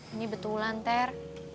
ini betulan ter